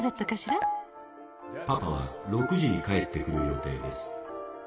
「パパは６時に帰ってくる予定です」。